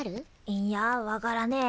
いんや分からねえ。